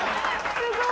すごい！